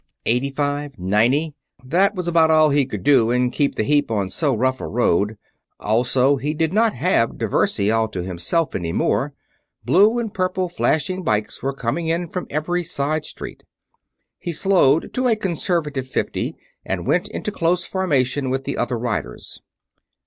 Eighty five ... ninety ... that was about all he could do and keep the heap on so rough a road. Also, he did not have Diversey all to himself any more; blue and purple flashing bikes were coming in from every side street. He slowed to a conservative fifty and went into close formation with the other riders.